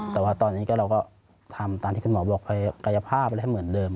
แต่ว่าตอนนี้เราก็ทำตามที่คุณหมอบอกกายภาพอะไรให้เหมือนเดิม